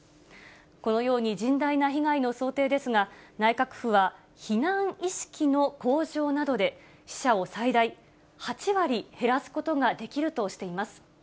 このように、甚大な被害の想定ですが、内閣府は、避難意識の向上などで、死者を最大８割減らすことができるとしています。